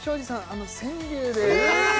あの川柳でえ！